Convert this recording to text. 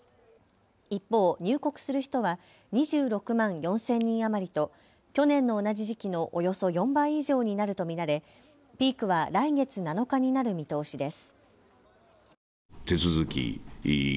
一方、入国する人は２６万４０００人余りと去年の同じ時期のおよそ４倍以上になると見られピークは来月７日になる見通しです。